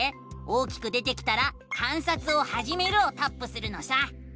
大きく出てきたら「観察をはじめる」をタップするのさ！